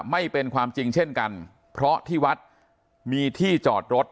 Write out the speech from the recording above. ไม่เป็นความจริงเช่นกันเพราะที่วัดมีที่จอดรถ